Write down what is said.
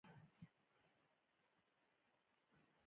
ژرنده که د پلار ده